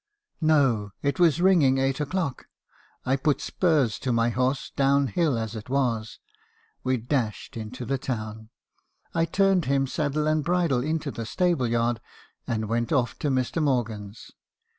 No! — it was ringing eight o'clock. 310 me. hakrison's confessions. I put spurs to my horse , down hill as it was. "We dashed into the town. I turned him, saddle and bridle, into the stable yard, and went off to Mr. Morgan's.